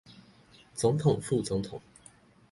總統、副總統